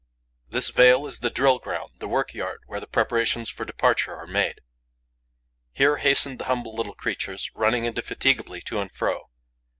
This veil is the drill ground, the work yard where the preparations for departure are made. Here hasten the humble little creatures, running indefatigably to and fro.